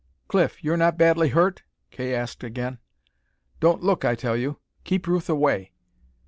"Cliff, you're not badly hurt?" Kay asked again. "Don't look, I tell you! Keep Ruth away!"